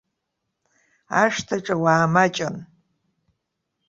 Ашҭаҿы ауаа маҷын.